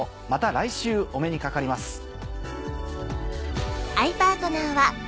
また来週お目にかかります。